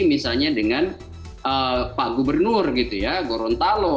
misalnya dengan pak gubernur gitu ya gorontalo